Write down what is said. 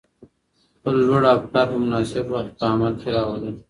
خپل لوړ افکار په مناسب وخت کي په عمل کي راولئ.